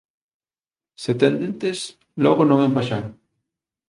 Se tes dentes, logo non é un paxaro.